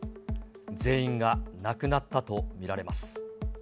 全員が亡くなったと見られます。